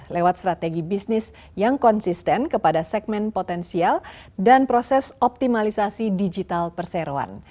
lewat strategi bisnis yang konsisten kepada segmen potensial dan proses optimalisasi digital perseroan